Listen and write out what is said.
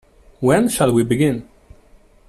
When shall we begin?